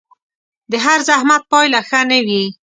د هر زحمت پايله ښه نه وي